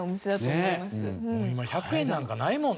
もう今１００円なんかないもんね。